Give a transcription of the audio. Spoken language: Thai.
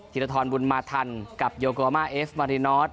ธิรทรบุญมาทันกับโยโกมาเอฟวารินอท